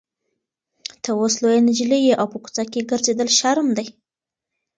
ته اوس لویه نجلۍ یې او په کوڅه کې ګرځېدل شرم دی.